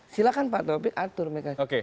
silakan pak taufik atur mereka